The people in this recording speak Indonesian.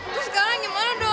terus sekarang gimana dong